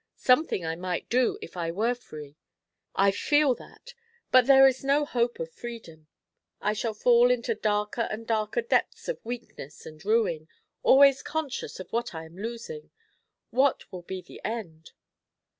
Something I might do, if I were free; I feel that! But there is no hope of freedom. I shall fall into darker and darker depths of weakness and ruin, always conscious of what I am losing. What will be the end?"